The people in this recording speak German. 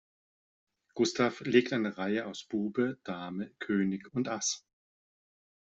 Gustav legt eine Reihe aus Bube, Dame, König und Ass.